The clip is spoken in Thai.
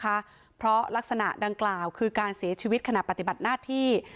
เพราะลักษณะดังกล่าวคือการเสียชีวิตขณะปฏิบัติหน้าที่